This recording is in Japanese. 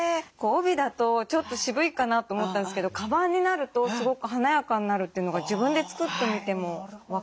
帯だとちょっと渋いかなと思ったんですけどカバンになるとすごく華やかになるというのが自分で作ってみても分かりましたし。